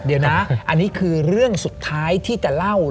เดี๋ยวนะอันนี้คือเรื่องสุดท้ายที่จะเล่า